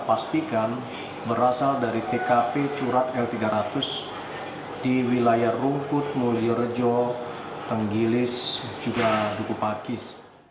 pastikan berasal dari tkv curat l tiga ratus di wilayah rumput mulyo rejo tenggilis juga dukupakis